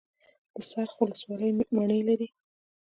د څرخ ولسوالۍ مڼې لري